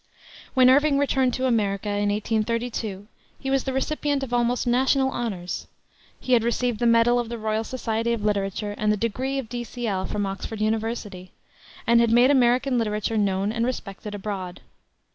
When Irving returned to America, in 1832, he was the recipient of almost national honors. He had received the medal of the Royal Society of Literature and the degree of D.C.L. from Oxford University, and had made American literature known and respected abroad.